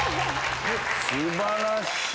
素晴らしい！